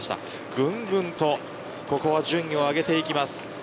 ぐんぐんとここは順位を上げていきます。